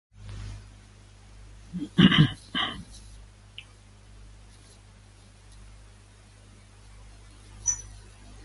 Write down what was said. Batten has appeared on recordings such as Jeff Beck's Who Else!